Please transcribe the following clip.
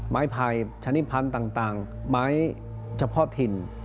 ไม้ไผ่ชนิดพันธุ์ต่างไม้เฉพาะถิ่น